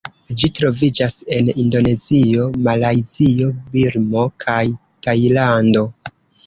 Ĝi troviĝas en Indonezio, Malajzio, Birmo kaj Tajlando.